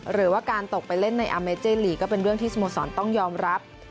หรือว่าการตกไปเล่นในอาเมเจลีกก็เป็นเรื่องที่สโมสรต้องยอมรับ